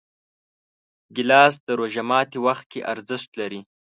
ګیلاس د روژه ماتي وخت کې ارزښت لري.